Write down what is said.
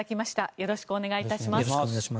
よろしくお願いします。